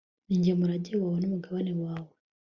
ni jye murage wawe n'umugabane wawe